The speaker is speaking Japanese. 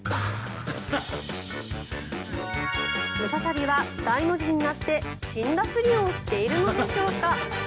ムササビは大の字になって死んだふりをしているのでしょうか。